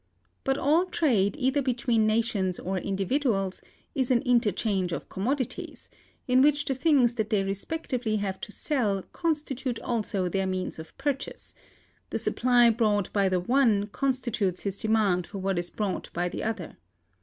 But all trade, either between nations or individuals, is an interchange of commodities, in which the things that they respectively have to sell constitute also their means of purchase: the supply brought by the one constitutes his demand for what is brought by the other.